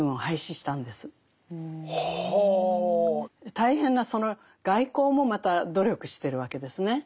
大変なその外交もまた努力してるわけですね。